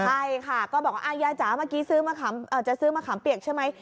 ใช่ค่ะก็บอกว่ายายจ๋าเมื่อกี้ซื้อจะซื้อมะขามเปียกใช่ไหม